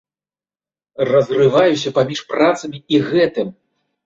Разрываюся паміж працамі і гэтым.